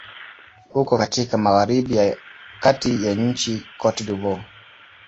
Uko katika magharibi ya kati ya nchi Cote d'Ivoire.